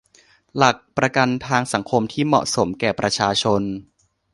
หลักประกันทางสังคมที่เหมาะสมแก่ประชาชน